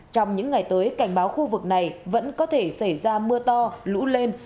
trong những ngày tới cảnh báo khu vực này vẫn có thể xảy ra mưa to lũ lên